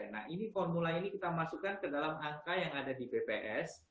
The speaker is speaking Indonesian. nah ini formula ini kita masukkan ke dalam angka yang ada di bps